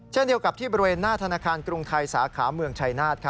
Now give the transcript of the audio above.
เช่นเดียวกับที่บริเวณหน้าธนาคารกรุงไทยสาขาเมืองชัยนาธ